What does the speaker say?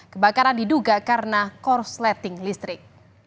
kebakaran diduga karena korsleting listrik